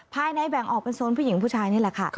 ภายในแบ่งออกเป็นโซนผู้หญิงผู้ชายนี่แหละค่ะ